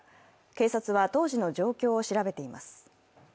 警察は当時の状況を調べています。